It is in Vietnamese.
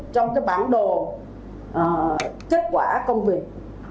trong bản đồ kết quả công việc